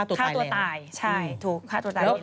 ใช่ถูกค่าตัวใต้อยู่แล้ว